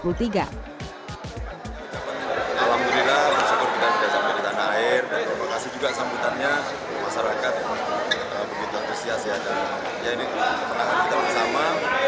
terima kasih juga sambutannya masyarakat begitu atusias ya ya ini perang kita bersama